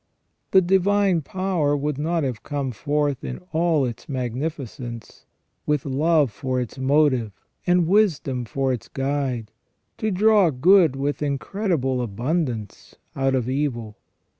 The divine power would not have come forth in all its magnificence, with love for its motive and wisdom for its guide, to draw good with incredible abundance out of evil.